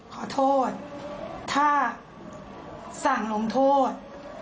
ขอโทษถ้าสั่งลงโทษ